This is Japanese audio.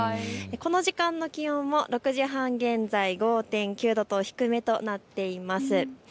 この時間の気温も６時半現在５．９度と低めとなっています。